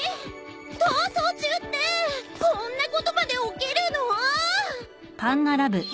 逃走中ってこんなことまで起きるの！？